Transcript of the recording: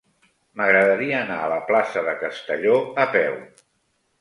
M'agradaria anar a la plaça de Castelló a peu.